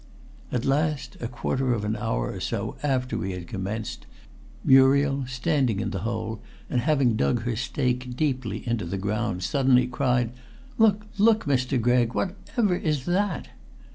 At last, a quarter of an hour or so after we had commenced, Muriel, standing in the hole and having dug her stake deeply into the ground, suddenly cried: "Look! Look, Mr. Gregg! Why whatever is that?"